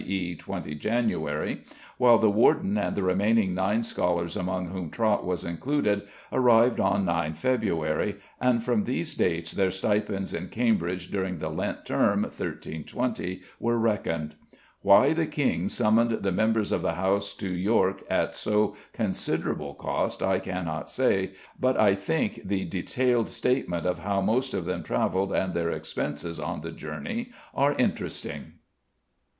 e._ 20 January), while the warden and the remaining nine scholars, among whom Trot was included, arrived on 9 February, and from these dates their stipends in Cambridge during the Lent Term, 1320, were reckoned. Why the king summoned the members of the House to York at so considerable cost I cannot say, but I think the detailed statement of how most of them travelled and their expenses on the journey are interesting.